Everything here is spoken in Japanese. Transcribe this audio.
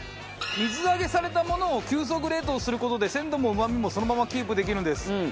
水揚げされたものを急速冷凍する事で鮮度もうまみもそのままキープできるんです。